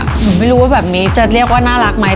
หนูไม่รู้ว่าแบบนี้จะเรียกว่าน่ารักไหม